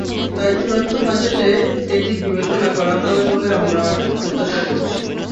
তাই চূড়ান্ত বাজেটে এটি বিবেচনা করা হবে বলে আমরা প্রত্যাশা করছি।